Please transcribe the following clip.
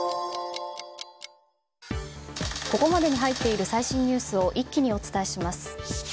ここまでに入っている最新ニュースを一気にお伝えします。